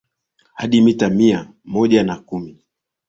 hadi mita mia moja na kumi